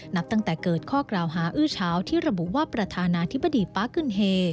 นับตั้งแต่เกิดข้อกล่าวหาอื้อเช้าที่ระบุว่าประธานาธิบดีปาร์กึนเฮ